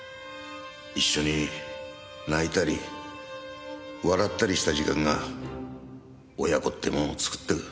一緒に泣いたり笑ったりした時間が親子ってもんをつくってく。